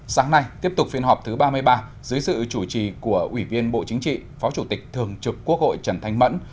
sáng nay tiếp tục phiên họp thứ ba mươi ba dưới sự chủ trì của ủy viên bộ chính trị phó chủ tịch thường trực quốc hội trần thanh mẫn